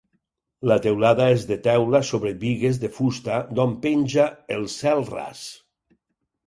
La teulada és de teula sobre bigues de fusta d'on penja el cel ras.